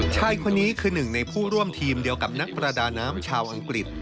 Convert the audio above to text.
ชายคนนี้คือหนึ่งในผู้ร่วมทีมเดียวกับนักประดาน้ำชาวอังกฤษ